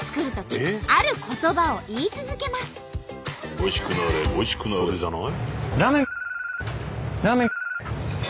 「おいしくなれおいしくなれ」じゃない？